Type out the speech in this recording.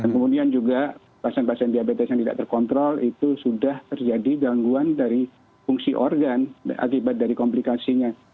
kemudian juga pasien pasien diabetes yang tidak terkontrol itu sudah terjadi gangguan dari fungsi organ akibat dari komplikasinya